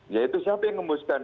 ya itu siapa yang hembuskan